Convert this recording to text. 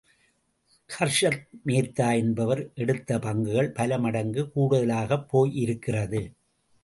ஹர்ஷத்மேத்தா என்பவர் எடுத்த பங்குகள் பல மடங்கு கூடுதலாகப் போயிருக்கிறது.